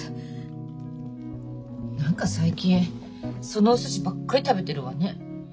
何か最近そのおすしばっかり食べてるわね。